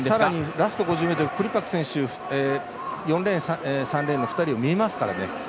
ラスト５０ｍクリパク選手４レーン、３レーンの２人が見えますからね。